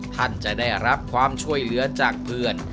ท่านจะได้รับความช่วยเหลือจากเพื่อน